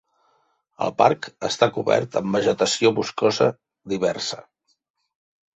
El parc està cobert amb vegetació boscosa diversa.